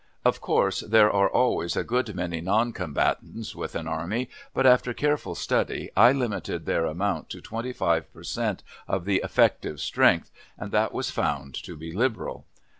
Of course, there are always a good many non combatants with an army, but, after careful study, I limited their amount to twenty five per cent. of the "effective strength," and that was found to be liberal.